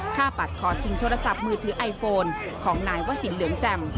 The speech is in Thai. ปัดคอชิงโทรศัพท์มือถือไอโฟนของนายวสินเหลืองแจ่ม